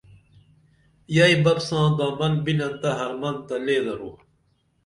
ییی بپ سائں دامن بِنن تہ حرمن تہ لے درو